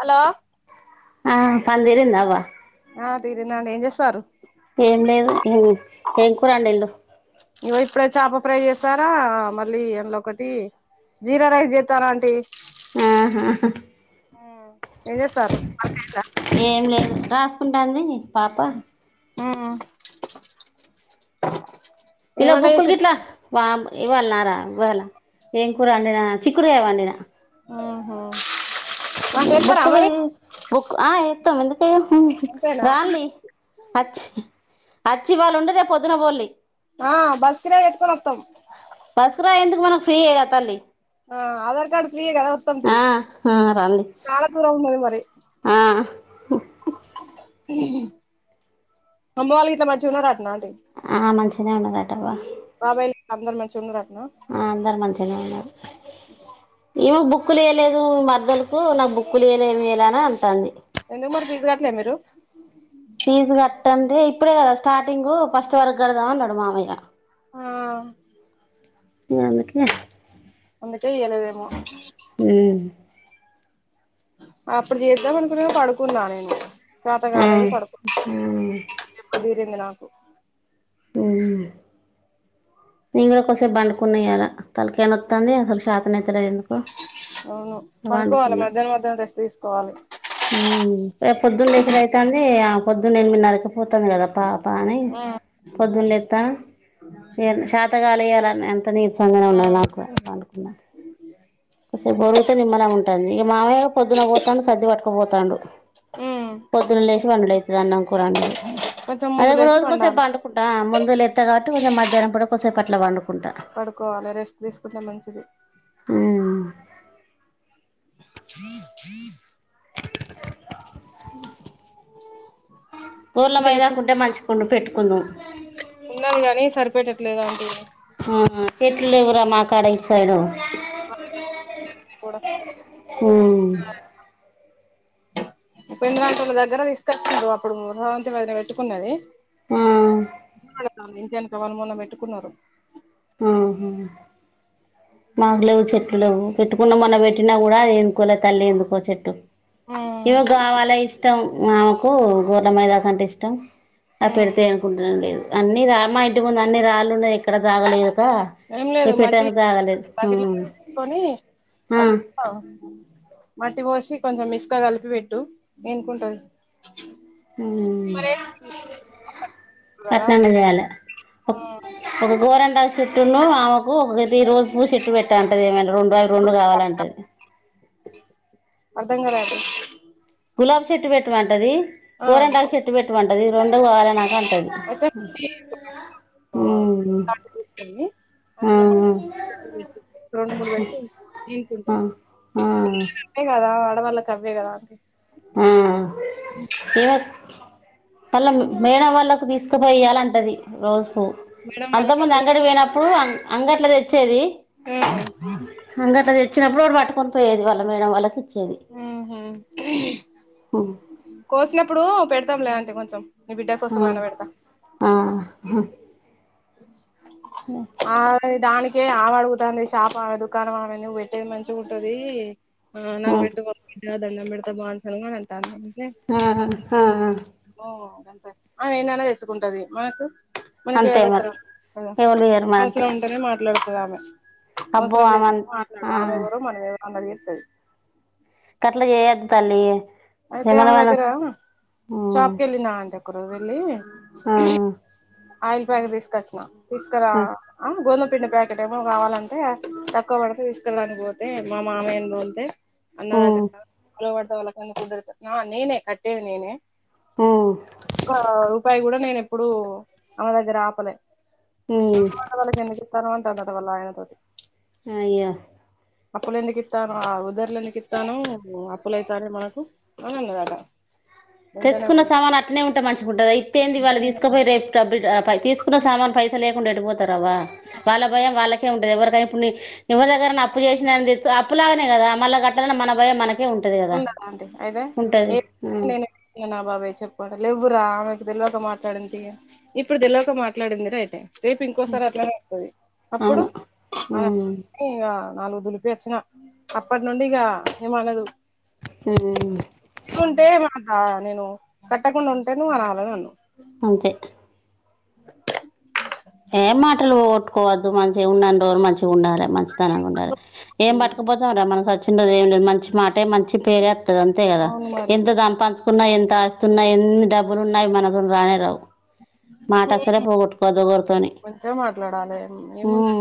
Hello ఆ పని తీరిందా అవ్వ ఆ తీరిందండి ఏం చేస్తారు ఏం లేదు ఏం ఏం కూర వండిల్లు ఇగో ఇప్పుడే చేప ఫ్రై చేస్తనా మళ్ళీ అందులో ఒకటి జీరా రైస్ జెతన్న ఆంటీ ఆహా హా ఏం చేస్తారు ఏం లేదు రాసుకుంటాంది పాప ఆ ఇలా బుక్కకు ఇట్లా వామ్మో ఇవాలన్నరా ఇవ్వాల ఏం కూర వండినా చిక్కుడు కాయ వండినా ఆహ బుకులు బుక్ ఆ ఏత్తం ఎందుకేయం అంతేనా రాన్ లే అచ్చి అచ్చి ఇవాళ్ళ ఉండి రేపొద్దున బొల్లి ఆ బర్త్ డే చెత్తే వత్తాం బస్సుకిరాయి ఎందుకు మనకు ఫ్రీయేగా తల్లి ఆ ఆధార్ కార్డు ఫ్రీయే కదా వత్తంటి ఆ ఆ రాన్లీ చాలా దూరం ఉన్నది మరి ఆ హు హమ్ అమ్మ వాళ్ళు గిట్ల మాంచి ఉన్నరట్నా ఆ మంచిగనే ఉన్నదట అవ్వ బాబాయిలు అందరు మంచి ఉన్న రా ఆ అందరు మంచిగానే ఉన్నారు ఏమి బుక్లు ఇయలేదు మరద్దలకు నాకు బుక్లు ఇయలే ఎమిలీ అనే అంటంది ఎందుకు మరి ఫీసు కట్లే మీరు ఫీజు కట్టంటే ఇప్పుడే కదా స్టార్టింగ్ ఫస్ట్ వరకు కడదామ అన్నాడు మామయ్య ఆ అందుకే అందుకే ఇయాల పోయిణం ఉమ్ అప్పుడు చేద్దాం అనుకున్నా కానీ పడుకున్నా నేను చత ఆ కాలేదు పడుకు ఆ ఇప్పుడు తీరింది నాకు నేను కూడా కొసేపు బండుకున్నాయి ఇయ్యలా తలకైనొతంది అసలు శాతనైయితేలేదు ఎంద్ అవును పడుకోవాలి మధ్యాహ్నం మధ్యాహ్నం రెస్ట్ తీసుకోవాలి మ్ ఇగ పొద్దున్న లేసుడైతాంది అం పొద్దున్న ఎనిమిన్నరకే పోతంది కదా పాపని పొద్దున్న లేత్తన ఇగ శాతగాలే ఇయలా అంత నీరసంగానే ఉన్నది నాకు అని పడుకున్న కోసేపు ఒరుగుతే నిమ్మలంగుంటంది ఇగ మావయ్య పొద్దున పోతాండు సద్ధి పట్టుకపోతాండు ఉమ్ పొద్దున లేసి వండైతది అన్నం కూరా వండుడు కొంచెం అదే ముందు ఒక లేసి రోజు కొసేపు పండాలి పండుకుంటా ఆ ముందే లేస్తా కాబట్టి కొంచెం మధ్యాహ్నం పూట కోసేపు అట్లా పండుకుం పడుకోవాలి రెస్ట్ తీసుకుంటే మంచిది ఉమ్ హ హ కోర్ల ఇంకా చెప్పు మైదాకుంటే మంచ్ కుండు పెట్టుకుందుం ఉన్నది కానీ సరిపెట్టట్లేదంటి ఆ చెట్లు ఎవ్రా మాకడ ఇటు సైడు కూడా మ్ ఊపింద్ర అంటోళ్ల దగ్గర తీసుకొచ్చిర్రు అప్పుడుృధవంతి అయితే పెట్టుకున్నది ఆ ఇంటేనుకవళ్ళు మొన్న పెట్టుకున్నారు ఆహ మాకులేవ్ చెట్లు లేవ్ పెట్టుకున్న మనం పెట్టినా కూడా అది ఎనుకోలే తల్లి ఎందుకో చెట్టు ఉమ్ ఇమోక్ కావాలే ఇష్టం ఆమెకు గూర్ర మైదాకు అంటే ఇష్టం ఆది పెడుతే ఉమ్ ఎనుకుంటేనే లేద్ అన్ని రా మా ఇంటి ముందు అన్ని రాళ్ళు ఉన్నాయి ఎక్కడ జాగాలేదు ఆ ఏం ఇగ లేదు మట్టి పెట్టెదుకు జగ లేదు బకెట్ల కొని ఆ అంతా మట్టి పోసి కొంచెం ఇస్గా కలిపి పెట్టు ఎనుకుంటది మ్ కదా ఆట్లన్న చేయాలే ఒ ఒక గోరింటాకు చేట్టు ఉన్ను ఆమెకు ఒక త్రీ రోజ్ పువ్వు చేట్టు పెట్టు అంటది ఏమైన రెండు అవి రెండు కావాలంటది అర్ధం కాలే అండి గులాబ్ చెట్టు పెటుమంటది ఆ గోరింటాకు చెట్టు పెట్టుమంట్ రెండు కావాలె నాకు అంటది ఆ హ్మ్ [unintelligible] ఆ రెండు మూడు పెడితే ఆ ఏనుకుంటాయి ఆ అదే కదా ఆడవల్లక్ కవ్వే కదా అండి ఆ ఈమెక్ వళ్ళ మేడం వాళ్ళకు తీసుకపోయి ఇయ్యలంటది రోజు మేడం అంతకు వాళ్ళకి ముందు అదే అంగడి పోయినప్పుడు అంగట్ల తెచ్ చ్చేది అంగట్ల తెచ్చినప్పుడు ఓటి పట్టుకొని పోయ్యేది వాళ్ళ మేడం వాళ్ళకి ఇచ్ మ్ హు కోసినప్పుడు పెడుతాం లే అంటి కొంచెం ని బిడ్డ కోసమైన పెడుతా హా అ మ్ అది దానికే ఆమె అడుగుతంది షాపు ఆమె దుకాణం ఆమె నువ్వు పెట్టేది మంచిగా ఉంటది ఆ నాక్ బెట్టువ బిడ్డ దండం బేడతా బాంచాన్ అని అంటాంది అంటే ఆహా ఆ ఆ అమె ఎన్నన్నా తెచ్చుకుంటది మనకు మనకి అంతే ఎవర్ మరి తరు ఎవలు వేయరు మరి అంతే అవసరం ఉంటేనే మాట్లాడుతది ఆమె అబ్బో అవసరం ఆమె లేకుంటే మాట్లాడదు ఆ ఆమె ఎవరో మనం ఎవరో అన్నట్టూ చేస్తది అట్లా చేయొద్ తల్లి అయితే ఏమన్నా అమె మనం దగ్గర ఉమ్ షాప్కేళ్ళిన ఆంటీ ఒక రోజు వెళ్ళి ఆ ఆయిల్ ప్యాక్ తీసుకొచ్చినా తీసుకురా ఉమ్ ఆ గోదాం పిండి ప్యాకెట్ ఏమో కావాలంటే తక్కువ పడితే తీసుకేళ్ళడానికి పోతే మా మామయ్యని తోల్తే అన్నదటా ఉమ్ గా ఎవలవడితే వాళ్ళకి ఉద్దార్రితా ఆ నేనే కట్టేది నేనే ఉమ్ ఒక రూపాయి కూడా నేను ఎప్పుడు ఆమ దగ్గర ఆపలే ఉమ్ ఏవాళ్లవాడితే వాళ్ళకి ఎందుకు ఇత్తనవ్ అంటందంటా వాళ్ళ ఆయన తోటి అయ్యా అప్పుల ఎందుకు ఇత్తనవ్ ఆ ఉదర్లు ఎందుకు ఇత్తనవ్ అప్పులైతన్నాయి మనకు అనన్నందట తెచ్చుకున్న సామానులు అట్నే ఉంటే మంచిగుంటద అయితే ఏంది వాళ్ళు తీసుకుపోయి రేపు డబ్ల్ తీసుకున్న సామాను పైసాలియకుండా వెడిపోతరవ్వ వాళ్ళ భయం వాళ్ళకి ఉంటది ఎవరికై ఇప్పుడు నిక్ దగ్గర అప్పు చేసిన అప్పులాగానే కదా మళ్ళ కట్టాలని మన భయం మనక్ కే ఉంటది కదా ఉండదా ఆంటీ అయితే ఉంటది ఏ నేను నా బాబాయి చెప్పండి లేవ్వురా ఆమెకు తేల్వక మాట్లాడింది ఇప్పుడు తేల్వాక మాట్లాడిందిగా అయితే రేపు ఇంకోసారి అట్లానే అంటది అప్పుడు అవును ఉమ్ ఇంగ నాలుగు దులిపి వచ్చిన అప్పటి నుండి ఇగ ఏమనదు ఉమ్ ఉంటే మా నేను కట్టకుండా ఉంటే నువ్వు అనాలే నన్ను అంతే ఏం మాటలు పోవోట్టుకోవద్దు మంచిగా ఉన్నానిరోజులు మంచిగా ఉండాలి మంచి సలగుండాలే క ఏం పట్కపోతాంరా మనం సచ్చినోజు ఏం లేదు మంచి మాటే మంచి పేరేత్తది అంతే కదా అవును మరి ఎంత సంపాదించుకున్న ఎంత ఆస్తున్నాయి ఎన్ని డబ్బులు ఉన్నా మనంతోని రానేరావు మాటసల్లే పోగొట్టుకోద్దు ఓగల్ మంచిగా మాట్లాడాలే ఏముంది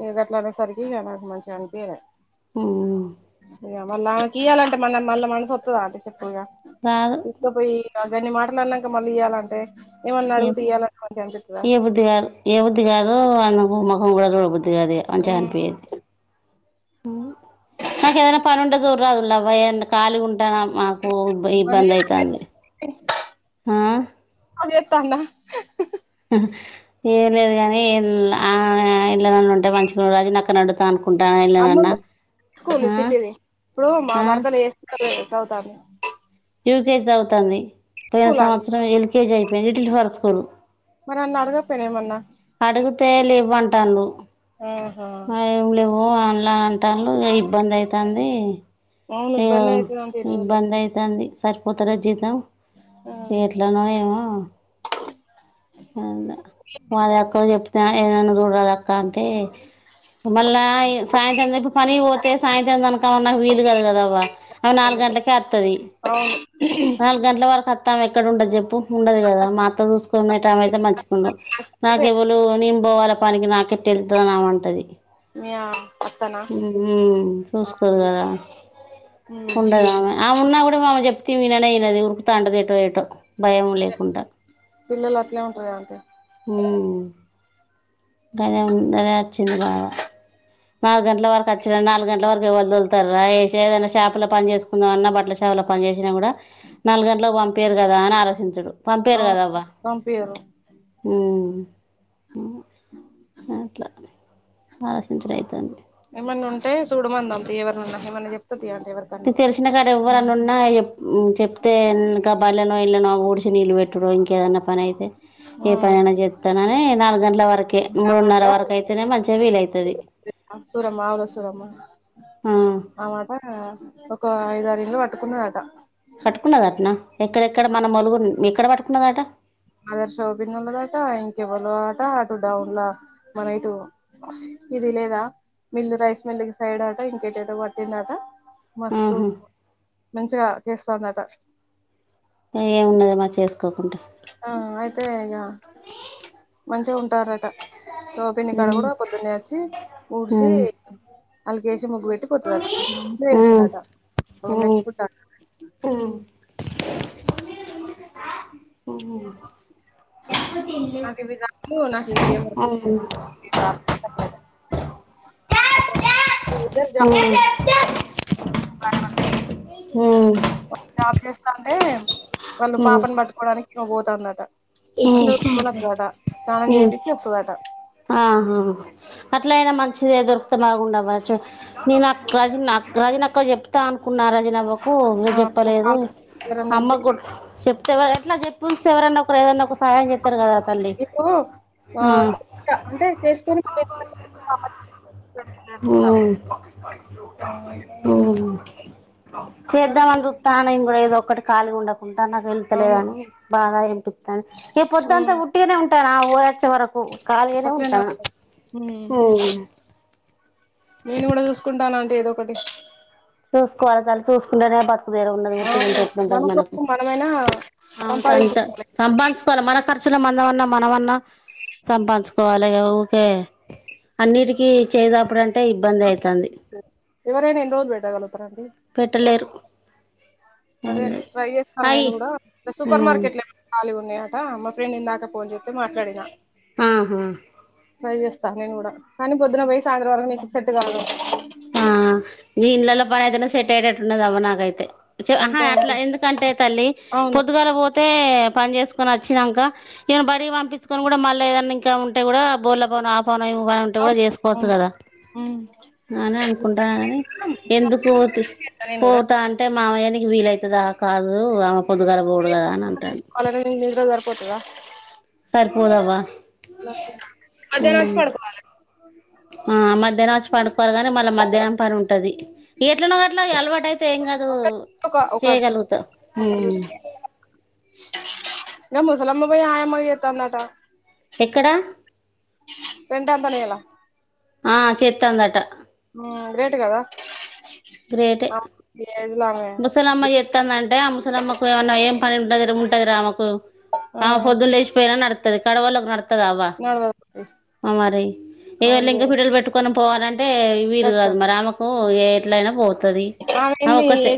ఇగ గట్లా అనేసరికి ఇగ నాకు మంచిగా అనిపియాలే హ్మ్ మళ్ళీ ఆమె కీయాలంటే మన మళ్ళ నాక్ మనసొత్తదా అంటే చెప్పుగా రాదు తీసుకపోయి గన్ని మాటలు అన్నంక మల్లియాలంటే ఎమ్ ఇయ్యిబుద్ధికాదు ఇయ్యిబుద్ధికాదు అందుకు మాక్ మొఖం కూడా చూడబుద్ధి కాదు ఇగ మంచిగనిపోయాదు నాకు ఏదైనా పనుంటే సుడ్రాదుల్లవ్వ ఏదన్న కాలి గుం టానా మాకు ఇబ్బందైతంది ఆ ఆ చెత్తండా హ్ హ్ ఏం లేదు కాని ఆ ఎల్లనన్న ఉంటే మంచిగుండు గని నాక్ నడ్ అమ్మలు స్కూల్ ఆ చిట్టిది ఇప్పుడు మా ఆ మరదలు ఏ స్కూల్ సవుతంది యుకేజి చవుతంది పోయిన ఆంటీ సంవత్సరం ఎల్కేజీ అయిపోయింది లిటిల్ ఫర్ స్కూల్ మరి అన్లా అడగపోయినవ ఏమన్నా అడుగుతే లేవంటాళ్ళు ఆహా ఆ ఏం లేవ్ ఓ అన్లా అంటళ్ళు ఇబ్బంది అయితంది అవును ఇగో ఇబ్బంది అయితది అంట ఈ రోజుల్లో ఇబ్బంది అయితంది సరిపోతరే జీతం ఎట్లానో ఏమో ఏందో వాళ్ళ అక్కకు చెప్తే ఏదన్నా చూడరాదా అక్క అంటే మళ్ళా ఏ సాయంత్రం దేపు పనికిపోతే సాయంత్రం అనుకమన్నా వీలు కాదు కదా అవ్వ ఆమె నాలుగు గంటలకే అత్తది అవును నాలుగు గంటల వరకు అత్తే ఎక్కడ ఉంటది చెప్పు ఉండదు కదా మా అత్త చూసుకునేటమైతే మంచిగుండు నాకెవ్వాలు నేను బోవాల పనికి నాకెట్ట వెళ్తుదని ఆమెంటది మీ అత్తనా ఉమ్ మ్ చూసుకోదు కదా ఉండదు ఆమె ఆమె ఉన్నా కూడా ఆమె చెప్తే విననేఇనదు ఉరుకుతాంటాది ఏటో ఏటో భయము లేకుంటా పిల్లలు అట్లే ఉంటారు ఆంటీ హుమ్ కదా అదే వచ్చింది బాద నాలుగు గంటల వరకు అచ్చుడు నాలుగు గంటల వరకు ఎవలు తోలుతరా ఇషే ఏదైనా షాపు లో పని చేసుకుందం అన్న బట్టల షాపు లో పని చేసినా కూడా నాలుగంటల వ పంపియ్యారు కదా అని ఆలోచించడు పంపియ్యారు అవును కదా అవ్వ పంపియ్యరు ఊ అట్లా ఆలోచించుడు అయితంది ఏమన్నా ఉంటే చూడమందం తీయ్ ఎవరినన్నా ఏమన్నా చెప్తతీయ్ తెలిసినా కాడ ఎవ్వరని ఉన్నా చెప్ చెప్తే ఇక బల్లనో ఇల్ళనో ఊడ్ చే నీళ్ళు పెట్టుడు ఇంకేదన్నా పని అయితే ఏ పనైనా చెత్తనని నాలుగు గంటల వరకే ఆ మాట మూడున్నర వరకు అయితేనే మంచిగా వీలయితది ఆకుకురమ్మా అనాస్తది అమ్మా ఆమాటా ఒక ఐదారు ఇళ్లు పట్టుకున్నారట పట్టుకున్నద అటనా ఎక్కడెక్కడ మన మోలుగు ఎక్కడ పట్టుకున్నదట అదర్శోపింగ్ ఒళ్ళదటా ఇంకెవ్వలో అట అటు డౌన్ ల మన ఇటు ఇది లేదా మిల్లు రైస్ మిల్లు సైడ్ అట ఇంకే ఎటో ఎటో పట్టిందా అట మస్తు మంచిగా చేస్తాందట ఏమి ఉన్నది మారి చేసుకోకుంటే ఆ అయితే ఇగ మంచిగా ఉంటారట షాపిన్ని కాడ ఉమ్, కూడా పొద్దున్నే అచ్చి ఉడ్సి ఉమ్, ఆల్కేసి ముగ్గు పెట్టిపోతది ఉమ్, అట ఉమ్, మెట్లుకూడ ఉమ్, ఉమ్, ఉమ్ నాకు ఇవి చాలు నాకు ఇంకేం వద్దు ఉమ్, ఇంకా [unintelligible] ఆ [unintelligible] ఉమ్ ఉమ్ వాళ్ళు జాబ్ చేస్తాంటే వాళ్ళు పాపను పట్టుకోవడానికి ఈమె పోతందాట చేపిచ్చి వస్తదట ఆహా అట్లయినా మంచిదే దొరుకుతే బాగుండువ్వా చ నేను అక్క రజినీ అక్క రజినీ అక్కకు చెప్తా అనుకున్నా రజినీ అవ్వకు ప్పు ఉ చెప్పలేదు ఆ ఎవరన్నా అమ్మ ఉంటే కొట్ చెప్తేవ ఎట్లా చెప్పి ఉంచితే ఎవరన్నా ఒకరు ఏదన్నా ఒక సహాయం చేస్తారు కదా తల్లి మీకు ఆ ఉమ్, ఒక అంటే చేసుకొని [unintelligible] ఆ మది ఉమ్ ఉమ్ చేద్దామనీ చుత్తన్న నేను కూడా ఏదో ఒక్కటి ఖాళీగా ఉండక కుంటా నాకు వెళ్తలేదు అవును అని బాగా యానిపిత్తంది ఈ పొద్దుంతా ఉమ్ ఉట్టిగానే ఉంటా ఆ మావోడు వచ్చే వరకు ఖాళీగానే అట్లనే ఉంటా ఉంటాయి ఉమ్ నేను కూడా చూసుకుంటాను ఆంటీ ఏదో ఒకటి చూసుకోవాలె తల్లి చూసుకుంటనే బ తుకుదెరువు ఉన్నది. ఉట్టిగ అవును ఉంటే మన ఎట్లుంటది మనకు. కోసం మనమైనా అవును సంత సంపాదించుకోవాలి సంపాదించుకోవాలె మన ఖర్సు చుల మందమన్నా మనమన్నా సంపాదించుకోవాలె. ఇగ ఊకే అన్నిటికిీ చేయిసాపుడు అంటే ఇబ్బందే అయితాంది. ఎవరైనా ఎన్ని రోజులు పెట్టగలరు. పెట్టలేరు. ఏం అదే లేదు ట్రై చేత్తాన్నా అయి నేను కూడా. గా సూపర్ మార్కెట్ల ఎమో ఖాళీగా ఉన్నయాట. మా ఫ్రెండ్ ఇందాకా ఫోన్ చేత్తే మాట్లాడినా. ఆహా ట్రై చేస్ స్తా నేను కూడా. కానీ పొద్దున పోయి సాయంత్రం వరకు నీకు సెట్ కాదు. ఈ ఇల్లల్లా పని అయితేనే సెట్ అయ్యేటట్టు ఉన్నది అవ్వా నాకైయితే. చ ఆహా అంతే అట్లా అండి ఎందుకంటే తల్లి అవును పొద్దుగాల పో తే పని చేసుకొని అచ్చినంకా, ఈయను బడి పంపించుకొని కూడా మళ్ళీ ఏదన్నా ఇంకా ఉంటే కూడా బోల్ల పనో ఆ పనో పనో ఇగ వంట కూడా అవును చేసుకోవచ్చు అవును కదా. ఉమ్ అని అనుకుంటాన కాని ఎందుకు పోతి నేను కూడా పోతా అంటే మామయ్యా ఎ నీకు వీలైతదా కాదు. ఆమెకు పొద్దుగాల పోవుడు కాదు అని అంటాడు. నేను నిద్ర సరిపోతదా అదిపోదవ్వా. మధ్యాహ్నం వచ్చి పడుకోవాలె. ఆ మధ్యాహ్నం వచ్చి పండుకోవాలె కానీ మళ్ళా మధ్యాహ్నం పని ఉంటది. ఎట్లనోగట్లా ఇగ అలవాటు అయితే ఏం కాదు. ఒక ఒక చేయగల్గుతవు. గా ముసలమ్మ పోయి ఆయమ్మగా చేత్తాందటా. ఎక్కడా? రెంట్ ఎంతండి ఇయలా. ఆ చేత్తాందటా. గ్రేట్ కదా. గ్రేటే ఈ ఏజ్ లో ఆమె ముసలమ్మ చేత్తందంటే ఆ ముసలమ్మకు ఏమన్న ఏం పని ఉండదిరా ఉంటదిరా ఆమెకు. ఆ ఆమె పొద్దున లేచిపోయినా నడుతది, కడమోల్లకు నడు త్తదా అవ్వా నడవదు మరి ఇగ ఆమెది లింక వేరే బిడ్డలు పెట్టుకొని పోవాలం అంటే వీలు కాదు కష్టం మరి. ఆమెకు ఏ ఎట్లయినా పోతది ఆమె ఆమెంది ఒక్కత్తే.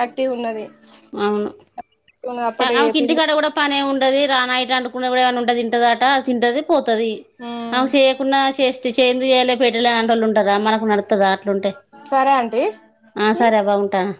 యాక్టివ్ ఉన్నది. అప్పటి ఆమెకు ఇంటి తిండి కాడ కూడా పనేం ఉం డది రా నైట్ అండుకున్నది కూడా ఏమన్నా ఉంటే తింటదాట, తింటది పోతది ఆమె చేయకున్నా చేశి చే ఎందుకు చేయలే పెట్టలే అంటోళ్ళు ఉంటరా. మనకు నడుతదా అట్లుంటే. సరే ఆ ఆంటీ సరే అవ్వా ఉంటన్నా.